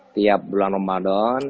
tiap bulan ramadan